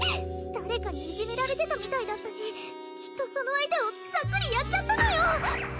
誰かにいじめられてたみたいだったしきっとその相手をザックリやっちゃったのよ